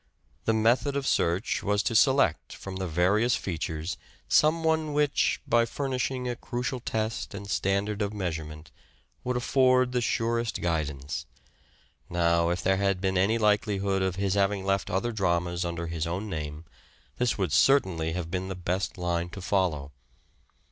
The method of search was to select from the various features some one which, by furnishing a crucial test and standard of measurement, would afford the surest guidance. Now, if there had been any likelihood of his having left other dramas under his own name, this would certainly have been the best line to follow.